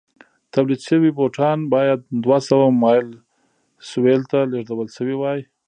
تولید شوي بوټان باید دوه سوه مایل سویل ته لېږدول شوي وای.